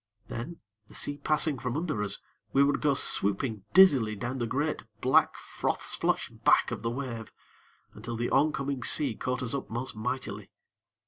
Then, the sea passing from under us, we would go swooping dizzily down the great, black, froth splotched back of the wave, until the oncoming sea caught us up most mightily.